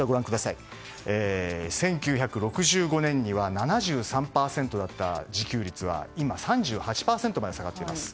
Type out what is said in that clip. １９６５年には７３％だった自給率は今３８％まで下がっています。